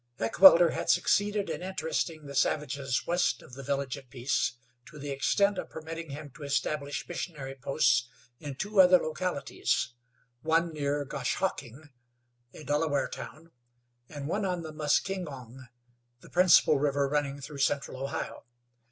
Heckewelder had succeeded in interesting the savages west of the Village of Peace to the extent of permitting him to establish missionary posts in two other localities one near Goshhocking, a Delaware town; and one on the Muskingong, the principal river running through central Ohio.